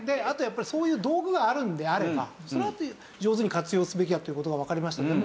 あとやっぱりそういう道具があるのであればそれは上手に活用すべきだという事がわかりました。